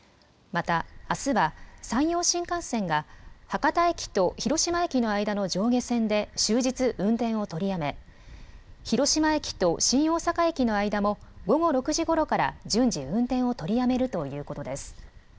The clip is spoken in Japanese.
また、あすは山陽新幹線が、博多駅と広島駅の間の上下線で終日運転を取りやめ、広島駅と新大阪駅の間も、午後６時ごろから順次運転を取りやめるということです。